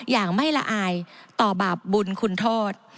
อย่างไม่ละอายต่อบาปบุญคุณโทษ